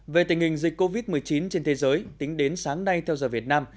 về tình hình dịch covid một mươi chín trên thế giới tính đến sáng nay theo giờ việt nam